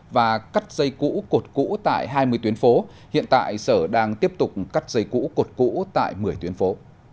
và cắt dây cũ cột cũ tại hai mươi tuyến phố hiện tại sở đang tiếp tục cắt dây cũ cột cũ tại một mươi tuyến phố